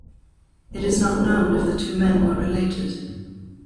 It is not known if the two men were related.